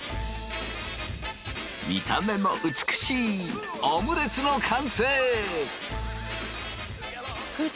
見た目も美しいオムレツの完成！